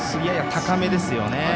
やや高めですよね。